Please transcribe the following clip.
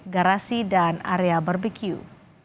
garasi dan area barbecue